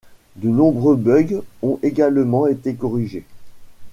De nombreux bugs ont également été corrigés.